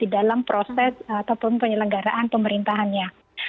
dalam proses ataupun penyelenggaraan pemerintahannya